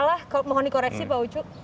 kalau aku salah mohon dikoreksi pak ucu